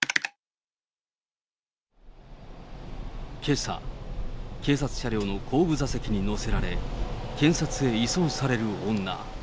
けさ、警察車両の後部座席に乗せられ、警察へ移送される女。